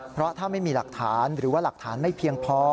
เพราะถ้าไม่มีหลักฐานหรือว่าหลักฐานไม่เพียงพอ